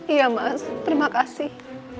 iya mas terima kasih